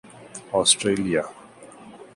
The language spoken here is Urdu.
آسٹریلیا